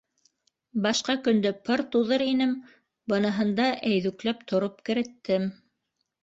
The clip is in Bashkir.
Башҡа көндө пыр туҙыр инем, быныһында әйҙүкләп тороп кереттем.